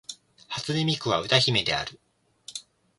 初音ミクは歌姫である